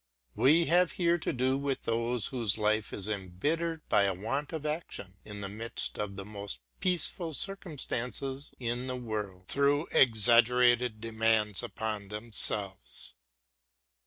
We are here dealing with those whose life is embittered by a want of action, in the midst of the most peaceful circumstances in the world, through exagger ated demands upon themselves.